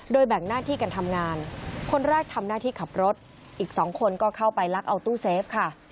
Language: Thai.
แบ่งหน้าที่กันทำงานคนแรกทำหน้าที่ขับรถอีกสองคนก็เข้าไปลักเอาตู้เซฟค่ะ